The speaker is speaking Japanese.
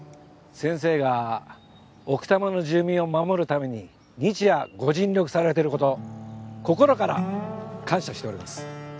先生が奥多摩の住民を守るために日夜ご尽力されてること心から感謝しております。